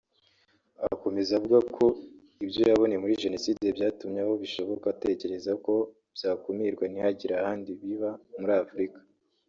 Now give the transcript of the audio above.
Akomeza avuga ko ibyo yaboneye muri Jenoside byatumye aho bishoboka atekereza ko byakumirwa ntihagire ahandi biba muri Afurika